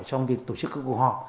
trong việc tổ chức các cuộc họp